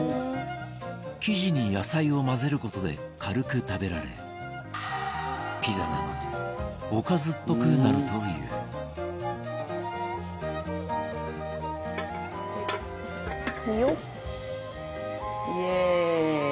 生地に野菜を混ぜる事で軽く食べられピザなのにおかずっぽくなるという財前：イエーイ！